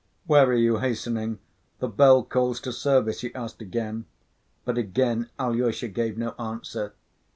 "Where are you hastening? The bell calls to service," he asked again, but again Alyosha gave no answer.